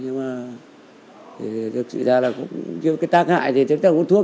nhưng mà thực ra là cũng như cái tác hại thì chúng ta hút thuốc